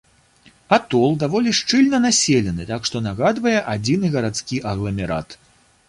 Атол даволі шчыльна населены, так што нагадвае адзіны гарадскі агламерат.